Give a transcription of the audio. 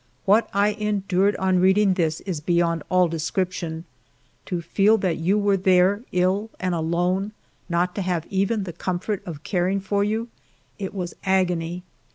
What I endured on reading this is be yond all description. To feel that you were there, ill and alone ; not to have even the com fort of caring for you, — it was agony.